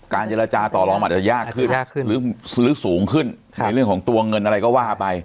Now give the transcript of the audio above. เจรจาต่อลองอาจจะยากขึ้นหรือซื้อสูงขึ้นในเรื่องของตัวเงินอะไรก็ว่าไป